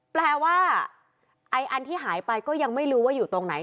แปลว่าไอ้อันที่หายไปก็ยังไม่รู้ว่าอยู่ตรงไหน